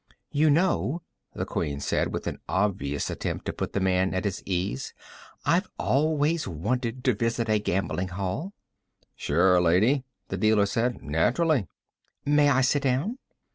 "You know," the Queen said, with an obvious attempt to put the man at his ease, "I've always wanted to visit a gambling hall." "Sure, lady," the dealer said. "Naturally." "May I sit down?"